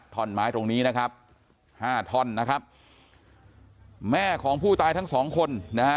ท่อนไม้ตรงนี้นะครับ๕ท่อนนะครับแม่ของผู้ตายทั้ง๒คน